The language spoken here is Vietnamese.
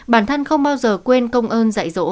bản thân không bao giờ quên công ơn dạy dỗ